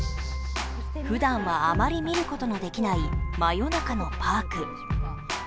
ふだんはあまり見ることができない真夜中のパーク。